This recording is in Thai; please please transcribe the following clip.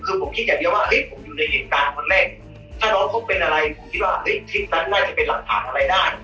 คือผมคิดอย่างเดียวว่าเฮ้ยผมอยู่ในเหตุการณ์คนแรกถ้าน้องเขาเป็นอะไรผมคิดว่าคลิปนั้นน่าจะเป็นหลักฐานอะไรได้